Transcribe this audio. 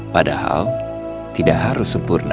padahal tidak harus sempurna